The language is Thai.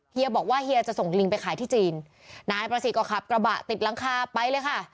เฮียบอกว่าเฮียจะส่งลิงไปขายที่จีนนายประสิทธิ์ก็ขับกระบะติดหลังคาไปเลยค่ะ